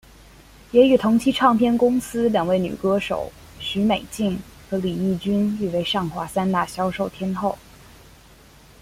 也与同期唱片公司两位女歌手许美静和李翊君誉为上华三大销售天后。